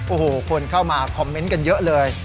โอ้โหคนเข้ามาคอมเมนต์กันเยอะเลย